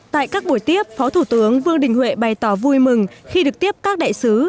tại các buổi tiếp phó thủ tướng vương đình huệ bày tỏ vui mừng khi được tiếp các đại sứ